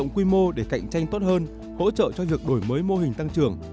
quy mô để cạnh tranh tốt hơn hỗ trợ cho việc đổi mới mô hình tăng trưởng